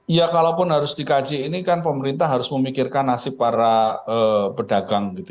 ya kalaupun harus dikaji ini kan pemerintah harus memikirkan nasib para pedagang gitu